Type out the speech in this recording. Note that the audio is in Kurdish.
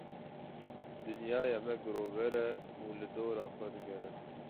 Dinyaya me girover e û li dora xwe digere.